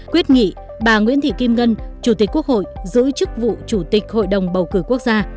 quyết nghị bà nguyễn thị kim ngân chủ tịch quốc hội giữ chức vụ chủ tịch hội đồng bầu cử quốc gia